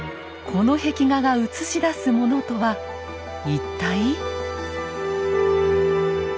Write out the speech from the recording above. この壁画が映し出すものとは一体。